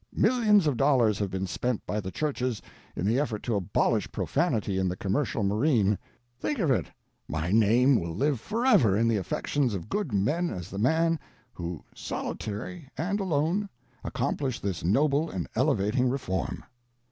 Millions of dollars have been spent by the churches, in the effort to abolish profanity in the commercial marine. Think of it—my name will live forever in the affections of good men as the man, who, solitary and alone, accomplished this noble and elevating reform."